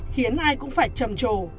khiến ai cũng phải trầm trồ